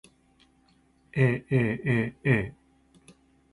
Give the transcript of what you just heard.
aaaa